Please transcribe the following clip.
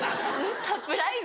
サプライズ。